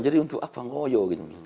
jadi untuk apa ngoyo